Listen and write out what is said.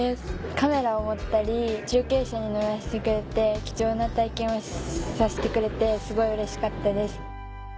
カメラを持ったり中継車に乗らせてくれて貴重な体験をさせてくれてすごいうれしかったです。